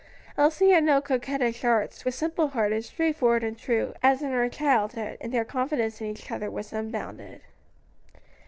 Elsie had no coquettish arts, was simple hearted, straightforward, and true, as in her childhood, and their confidence in each other was unbounded.